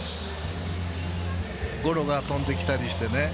ゴロが飛んできたりしてね